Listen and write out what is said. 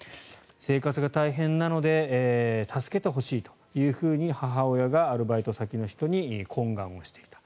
生活が大変なので助けてほしいと母親がアルバイト先の人に懇願をしていた。